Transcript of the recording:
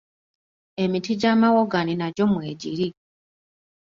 emiti gya mawogani nagyo mwegiri.